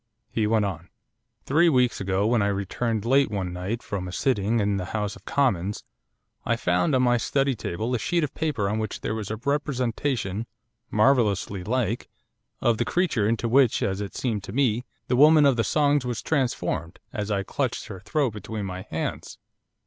He went on. 'Three weeks ago, when I returned late one night from a sitting in the House of Commons, I found, on my study table, a sheet of paper on which there was a representation marvellously like! of the creature into which, as it seemed to me, the woman of the songs was transformed as I clutched her throat between my hands.